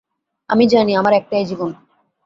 আমি জানি, আমার একটাই জীবন।